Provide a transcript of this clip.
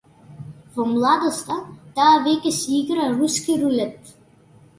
Во младоста, таа веќе си игра руски рулет.